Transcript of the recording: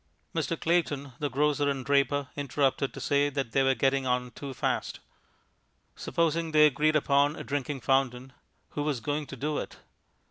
Mr. Clayton, the grocer and draper, interrupted to say that they were getting on too fast. Supposing they agreed upon a drinking fountain, who was going to do it?